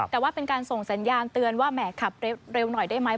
แต่ว่าเป็นการส่งสัญญาณเตือนว่าแหมขับเร็วหน่อยได้ไหม